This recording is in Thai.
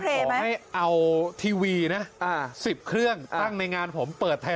ผมให้เอาทีวีนะ๑๐เครื่องตั้งในงานผมเปิดไทย